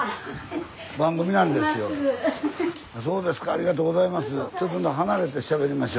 ありがとうございます。